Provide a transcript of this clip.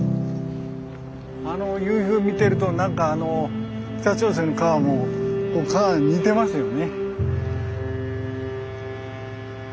あの夕日を見てるとなんかあの北朝鮮の川も似てますよね。